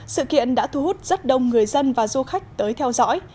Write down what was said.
sự kiện đã thu hút rất đông người dân và du khách tới theo dõi